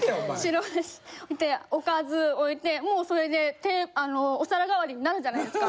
白飯置いておかず置いてもうそれでお皿代わりになるじゃないですか。